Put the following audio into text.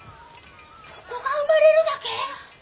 ボコが生まれるだけ！？